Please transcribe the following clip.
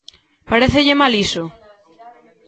¿Parécelle mal iso?